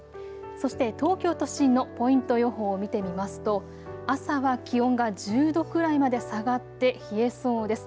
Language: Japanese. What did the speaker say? そして東京都心のポイント予報を見てみますと朝は気温が１０度くらいまで下がって冷えそうです。